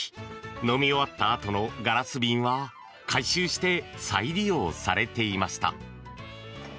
飲み終わったあとのガラス瓶は回収して再利用されていました。